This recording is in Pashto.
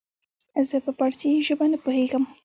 زه په پاړسي زبه نه پوهيږم